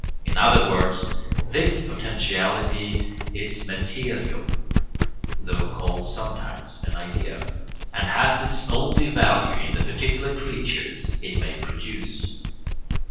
In other words, this potentiality is material (though called sometimes an idea) and has its only value in the particular creatures it may produce.